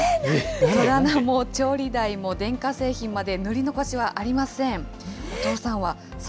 戸棚も調理台も電化製品まで、塗り残しはありません。